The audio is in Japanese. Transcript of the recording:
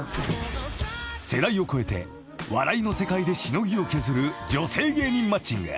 ［世代を超えて笑いの世界でしのぎを削る女性芸人マッチング］